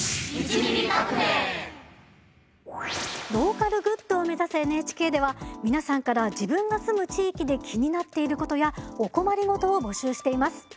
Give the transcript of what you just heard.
ローカルグッドを目指すＮＨＫでは皆さんから自分が住む地域で気になっていることやお困り事を募集しています。